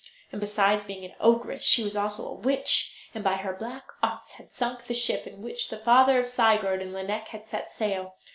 And besides being an ogress she was also a witch, and by her black arts had sunk the ship in which the father of Sigurd and Lineik had set sail.